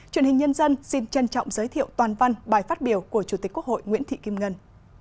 truyền hình nhân dân xin trân trọng giới thiệu toàn văn bài phát biểu của chủ tịch quốc hội nguyễn thị kim ngân